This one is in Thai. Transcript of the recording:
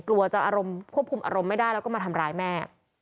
กลัวจะอารมณ์ควบคุมอารมณ์ไม่ได้แล้วก็มาทำร้ายแม่